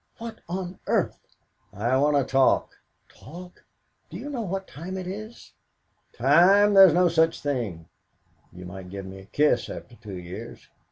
What on earth " "I want to talk." "Talk? Do you know what time it is?" "Time there's no such thing. You might give me a kiss after two years.